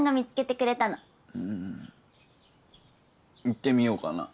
行ってみようかな。